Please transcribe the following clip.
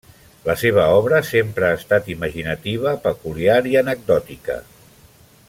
La seva obra sempre ha estat imaginativa, peculiar i anecdòtica.